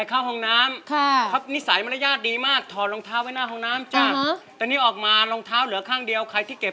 เออเดี๋ยวฝากนิดหนึ่งฝากนิดหนึ่งครับ